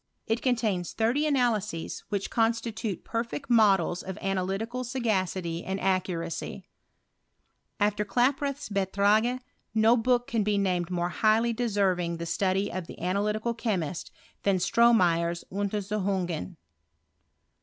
It contains thirty analyses, which constitute perfect models of' analytical sao^city and accuracy. After Rlaproth's Beitrage, no book can be named more highly do Berving the study of the analytical cliemiat than Stromeyer's Untersuchungeu